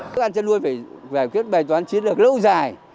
thức ăn chăn nuôi phải kết bài toán chiến lược lâu dài